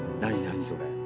何それ。